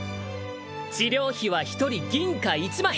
治療費は一人銀貨１枚！